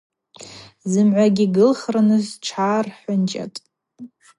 Зымгӏвагьи гылхырныс тшгӏархӏвынчӏатӏ.